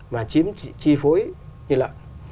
mà chi phối như lợn